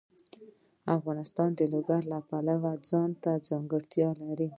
افغانستان د لوگر د پلوه ځانته ځانګړتیا لري.